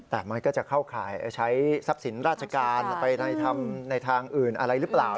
แต่มันก็จะเข้าข่ายใช้ทรัพย์สินราชการไปทำในทางอื่นอะไรหรือเปล่า